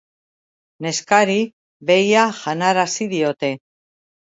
Neskari behia janarazi diote.